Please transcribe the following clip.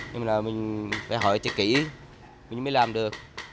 nhưng mà mình phải hỏi chật kỹ mình mới làm được